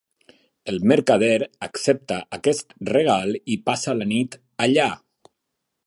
El mercader accepta aquest regal i passa la nit allà.